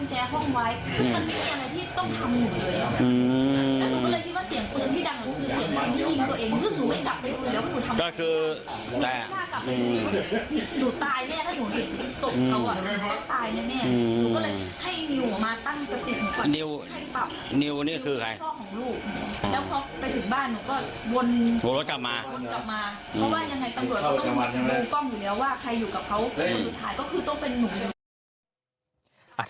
หนูตายนะ